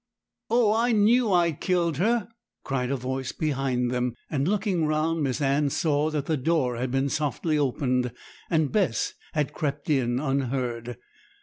'Oh, I knew I'd killed her!' cried a voice behind them; and, looking round, Miss Anne saw that the door had been softly opened, and Bess had crept in unheard.